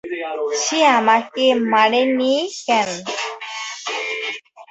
সে আমাকে মারেনি কেন?